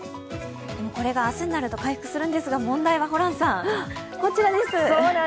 これが明日になると回復するんですが、問題はこちらです。